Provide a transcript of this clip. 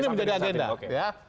ini menjadi agenda